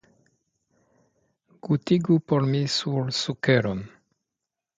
Gutigu por mi sur sukeron!